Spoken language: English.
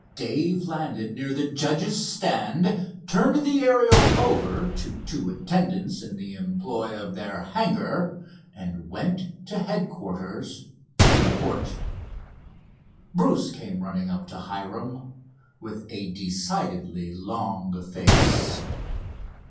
Dave landed near the judges' stand, turned the Ariel over to two attendants in the employ of their hangar, and went to headquarters to report. Bruce came running up to Hiram with a decidedly long face.